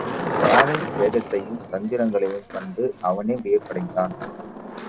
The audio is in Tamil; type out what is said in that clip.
மானின் வேகத்தையும், தந்திரங்களையும் கண்டு, அவனே வியப்படைந்தான்.